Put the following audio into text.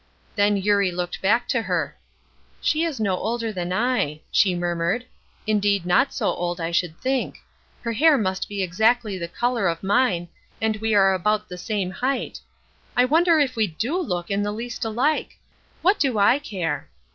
Then Eurie looked back to her. "She is no older than I," she murmured; "indeed not so old, I should think. Her hair must be exactly the color of mine, and we are about the same height. I wonder if we do look in the least alike? What do I care!"